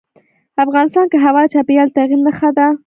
افغانستان کې هوا د چاپېریال د تغیر نښه ده.